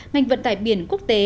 ngành vận tải biển quốc tế